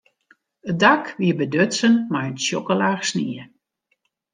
It dak wie bedutsen mei in tsjokke laach snie.